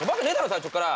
最初から。